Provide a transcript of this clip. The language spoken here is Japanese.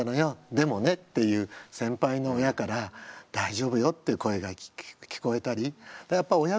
でもね」っていう先輩の親から「大丈夫よ」っていう声が聞こえたりやっぱあああ